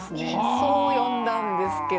そう読んだんですけど。